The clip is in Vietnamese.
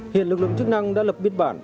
hiện lực lượng chức năng đã lập biên bản